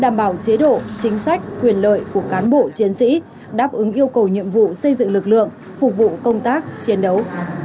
đảm bảo chế độ chính sách quyền lợi của cán bộ chiến sĩ đáp ứng yêu cầu nhiệm vụ xây dựng lực lượng phục vụ công tác chiến đấu